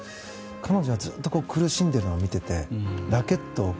彼女がずっと苦しんでいるのを見ていてラケットを置く。